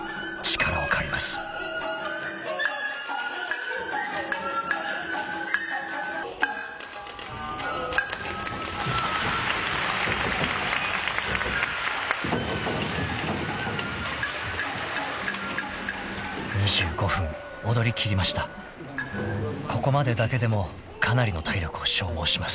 ［ここまでだけでもかなりの体力を消耗します］